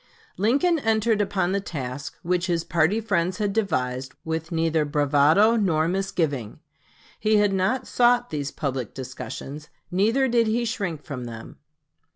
Lincoln entered upon the task which his party friends had devised with neither bravado nor misgiving. He had not sought these public discussions; neither did he shrink from them.